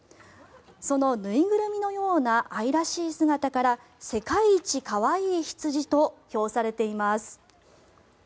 その縫いぐるみのような愛らしい姿から世界一可愛い羊と評されています。